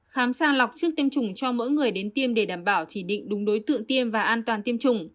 khám sàng lọc trước tiêm chủng cho mỗi người đến tiêm để đảm bảo chỉ định đúng đối tượng tiêm và an toàn tiêm chủng